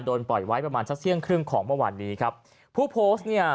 ปล่อยไว้ประมาณสักเที่ยงครึ่งของเมื่อวานนี้ครับผู้โพสต์เนี่ย